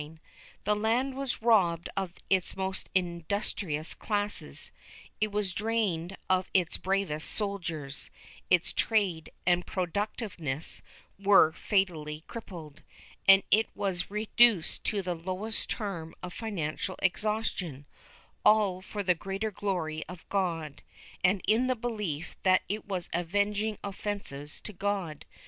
The land was robbed of its most industrious classes, it was drained of its bravest soldiers, its trade and productiveness were fatally crippled, and it was reduced to the lowest term of financial exhaustion, all for the greater glory of God, and in the belief that it was avenging offences to God.